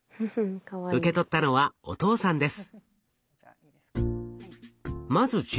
受け取ったのはお父さんです。